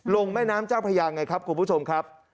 แม่น้ำเจ้าพระยาไงครับคุณผู้ชมครับ